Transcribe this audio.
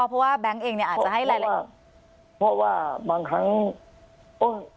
เพราะว่าแบงค์เองเนี่ยอาจจะให้รายละเอียดเพราะว่าบางครั้งโอ้ย